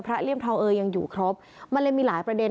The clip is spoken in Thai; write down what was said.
เลี่ยมทองเออยังอยู่ครบมันเลยมีหลายประเด็น